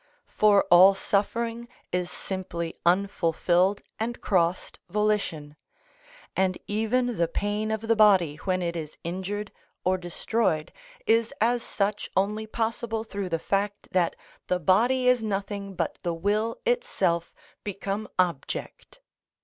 For all suffering is simply unfulfilled and crossed volition; and even the pain of the body when it is injured or destroyed is as such only possible through the fact that the body is nothing but the will itself become object.